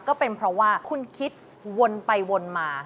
ก็เป็นเพราะว่าคุณคิดวนไปวนมา